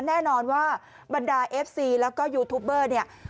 แน่นอนว่าบรรดาเอฟซีแล้วก็ยูทูปเบอร์เนี่ย